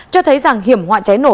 cho thấy rằng hiểm họa cháy nổ